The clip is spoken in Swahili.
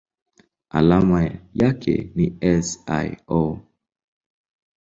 Alama yake ni SiO.